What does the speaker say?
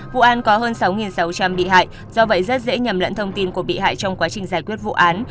vụ án có hơn sáu sáu trăm linh bị hại do vậy rất dễ nhầm lẫn thông tin của bị hại trong quá trình giải quyết vụ án